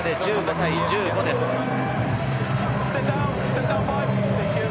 これで１５対１５です。